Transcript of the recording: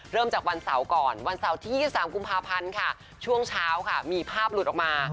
เริ่มจากวันเสาร์ก่อนวันเสาร์ที่๒๓กุมภาพันธ์ค่ะช่วงเช้าค่ะมีภาพหลุดออกมา